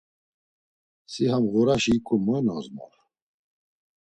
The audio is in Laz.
Si ham ğuraşi hiǩu moy nozmor?